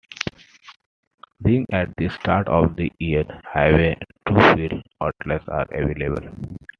Being at the start of the Eyre Highway, two fuel outlets are available.